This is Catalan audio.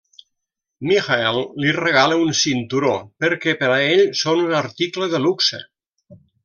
Michael li regala un cinturó, perquè per a ell són un article de luxe.